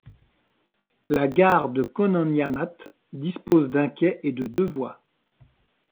La gare de Kōnan-Yamate dispose d'un quai et de deux voies.